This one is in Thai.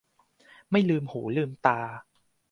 ไม่ลืมหูลืมตา